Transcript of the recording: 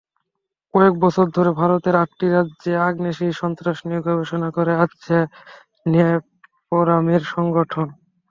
কয়েক বছর ধরে ভারতের আটটি রাজ্যে আগ্নেয়াস্ত্র-সন্ত্রাস নিয়ে গবেষণা করে আসছে নেপরামের সংগঠন।